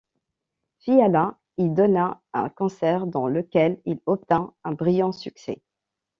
Fiala y donna un concert dans lequel il obtint un brillant succès.